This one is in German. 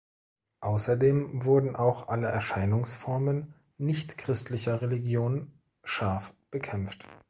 Außerdem wurden auch alle Erscheinungsformen nichtchristlicher Religion scharf bekämpft.